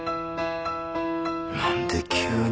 何で急に